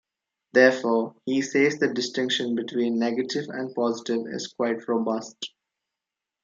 Therefore, he says the distinction between negative and positive is quite robust.